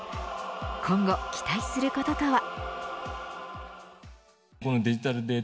今後、期待することとは。